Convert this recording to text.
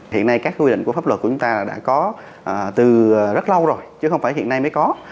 hiện nay các quy định của pháp luật của chúng ta đã có từ rất lâu rồi chứ không phải hiện nay mới có